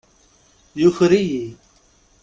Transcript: Yuker-iyi.